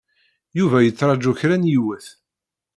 Yuba yettṛaju kra n yiwet.